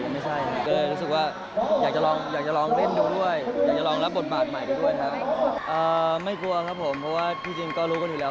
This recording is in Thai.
ไม่กลัวครับผมเพราะว่าพี่จริงก็รู้กันอยู่แล้ว